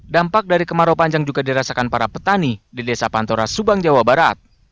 dampak dari kemarau panjang juga dirasakan para petani di desa pantora subang jawa barat